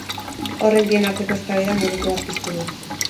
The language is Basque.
Horrek bien arteko eztabaida moduko bat piztu du.